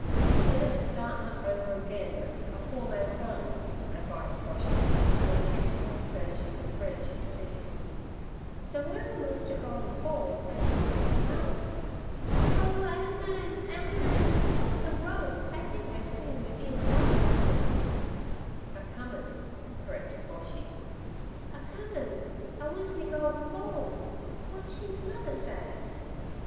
'Begin at the startment over again afore they was 'ung' advised Boshy, unintentionally furnishing the thread she seized. 'So one of 'em losed 'er goldin ball, so she was to be 'ung. "Oh, 'angman, 'angman, stop the rope, I think I see me dear mother comin—" ' 'A comin" corrected Boshy. 'A comin' a with me goldin ball. W'at's she's mother says?'